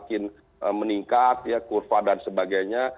grafiknya yang semakin meningkat kurva dan sebagainya